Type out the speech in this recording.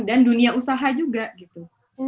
dan dunia usaha juga gitu